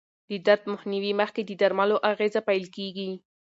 د درد مخنیوي مخکې د درملو اغېزه پېل کېږي.